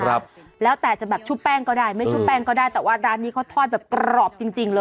ครับแล้วแต่จะแบบชุบแป้งก็ได้ไม่ชุบแป้งก็ได้แต่ว่าร้านนี้เขาทอดแบบกรอบจริงจริงเลย